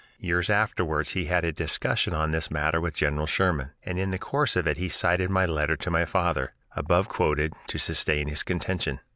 Years afterwards he had a discussion on this matter with General Sherman, and in the course of it he cited my letter to my father, above quoted, to sustain his contention.